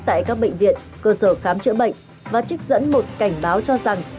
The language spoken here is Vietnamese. tại các bệnh viện cơ sở khám chữa bệnh và trích dẫn một cảnh báo cho rằng